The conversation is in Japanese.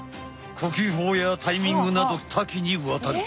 呼吸法やタイミングなど多岐にわたる。